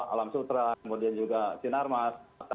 alam sutra kemudian juga sinarmas